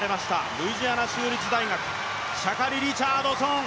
ルイジアナ州立大学、シャカリ・リチャードソン。